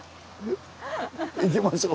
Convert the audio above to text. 行きましょう。